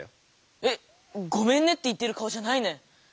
えっ⁉「ごめんね」って言ってる顔じゃないね。